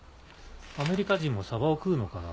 アメリカ人もサバを食うのかな。